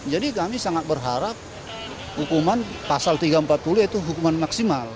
jadi kami sangat berharap hukuman pasal tiga ratus empat puluh itu hukuman maksimal